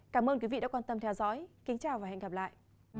cảm ơn quý vị đã quan tâm theo dõi kính chào và hẹn gặp lại